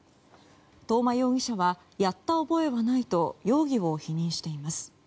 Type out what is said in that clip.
東間容疑者はやった覚えはないと容疑を否認しています。